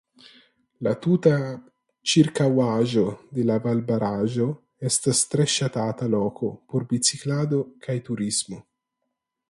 La tuta ĉirkaŭaĵo de la valbaraĵo estas tre ŝatata loko por biciklado kaj turismo.